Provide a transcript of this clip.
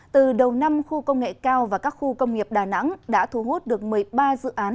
từ đầu năm khu công nghệ cao và các khu công nghiệp đà nẵng đã thu hút được một mươi ba dự án